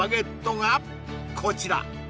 がこちら